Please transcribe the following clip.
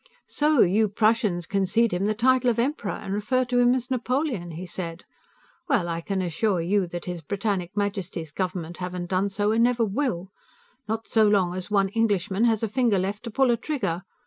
"So, you Prussians concede him the title of Emperor, and refer to him as Napoleon," he said. "Well, I can assure you that His Britannic Majesty's government haven't done so, and never will; not so long as one Englishman has a finger left to pull a trigger.